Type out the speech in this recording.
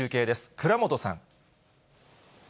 倉本さん。